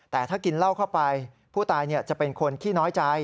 แต่ถ้ากินเหล้าเข้าไปผู้ตายจะเป็นคนขี้น้อยใจ